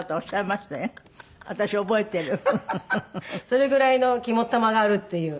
それぐらいの肝っ玉があるっていう。